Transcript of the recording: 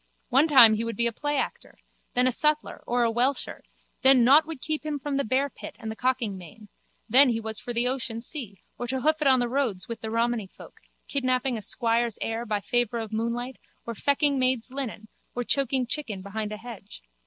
One time he would be a playactor, then a sutler or a welsher, then nought would keep him from the bearpit and the cocking main, then he was for the ocean sea or to hoof it on the roads with the romany folk, kidnapping a squire's heir by favour of moonlight or fecking maids' linen or choking chicken behind a hedge.